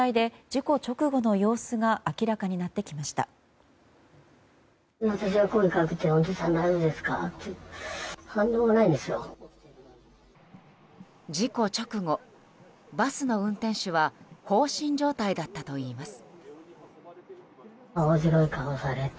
事故直後、バスの運転手は放心状態だったといいます。